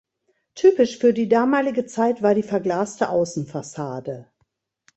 Typisch für die damalige Zeit war die verglaste Außenfassade.